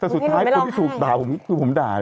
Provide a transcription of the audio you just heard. แต่สุดท้ายคนที่ถูกด่าผมคือผมด่า